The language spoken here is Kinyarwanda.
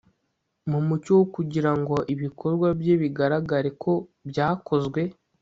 mu mucyo wo kugira ngo ibikorwa bye bigaragare ko byakozwe